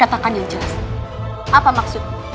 katakan yang jelas apa maksud